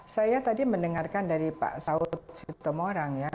saya tadi mendengarkan dari pak saud sitomorang ya